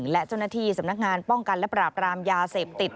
และเจ้าหน้าที่สำนักงานป้องกันและปราบรามยาเสพติด